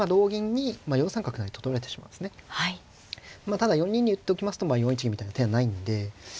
ただ４二に打っておきますと４一銀みたいな手はないんで。